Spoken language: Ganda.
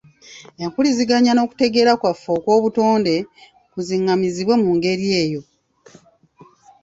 Empuliziganya n'okutegeera kwaffe okw'obutonde kuziŋŋamizibwe mu ngeri eyo